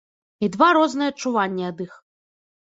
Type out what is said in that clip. І два розныя адчуванні ад іх.